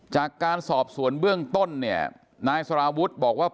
จากการสอบสวนเบื้องต้นเนี่ยนายสารวุฒิบอกว่า